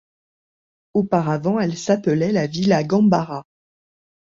Auparavant elle s'appelait la Villa Gambara.